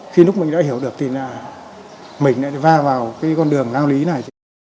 khi lúc mình đã hiểu được thì là mình lại va vào cái con đường lao lý này